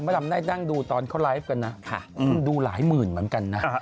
ไม่ดีดูตอนที่เขาไลฟ์กันนะครับหนูดูหลายหมื่นเหมือนกันนะ